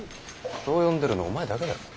そう呼んでるのお前だけだぞ。